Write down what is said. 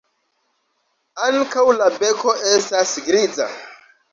Ankaŭ la beko estas griza.